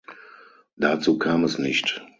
Dazu kam es nicht.